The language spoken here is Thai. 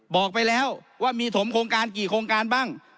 บอกไปแล้วว่ามีถมโครงการกี่โครงการบ้าง